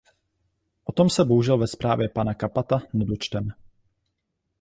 O tom se bohužel ve zprávě pana Cappata nedočteme.